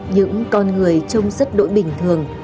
những con người trông rất đội bình thường